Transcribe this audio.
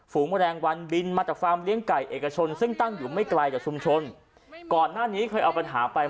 ฝูงแมร่งวันบินมาจากความเลี้ยงไก่เอกชนซึ่งตั้งอยู่ไม่ไกลกับช